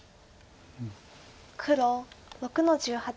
黒６の十八。